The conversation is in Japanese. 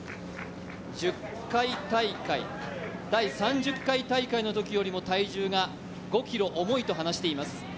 １０回大会、第３０回大会のときよりも体重が５ｋｇ重いと話しています。